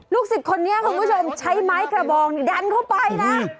สิทธิ์คนนี้คุณผู้ชมใช้ไม้กระบองดันเข้าไปนะ